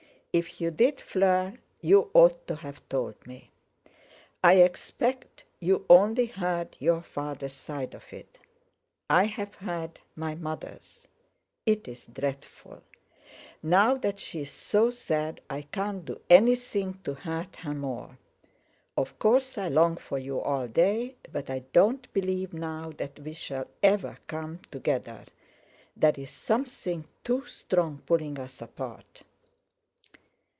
If you did, Fleur, you ought to have told me. I expect you only heard your father's side of it. I have heard my mother's. It's dreadful. Now that she's so sad I can't do anything to hurt her more. Of course, I long for you all day, but I don't believe now that we shall ever come together—there's something too strong pulling us apart."